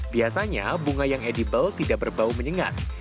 biasanya bunga yang edible tidak berbau menyengat